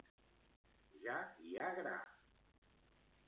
Ja hi ha gra!